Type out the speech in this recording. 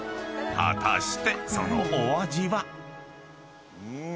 ［果たしてそのお味は？］